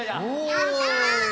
やった！